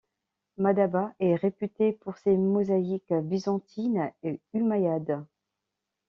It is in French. Madaba est réputée pour ses mosaïques byzantines et umayyades.